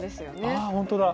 ああ本当だ！